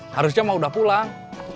harusnya mau udah pulang